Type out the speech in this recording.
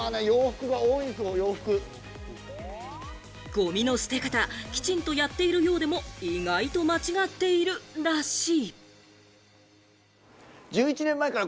ごみの捨て方、きちんとやっているようでも、意外と間違っているらしい。